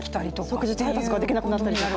即日配達ができなくなったりとか。